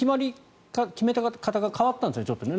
決め方が変わったんですよね。